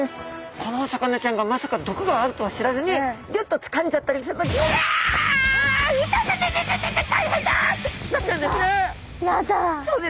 このお魚ちゃんがまさか毒があるとは知らずにギュッとつかんじゃったりするとってなっちゃうんですね。